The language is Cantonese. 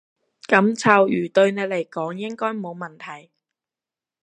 噉臭魚對你嚟講應該冇問題